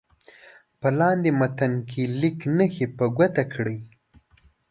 په لاندې متن کې لیک نښې په ګوته کړئ.